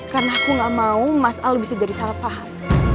karena aku gak mau mas al bisa jadi salah paham